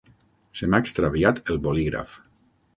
Se m'ha extraviat el bolígraf.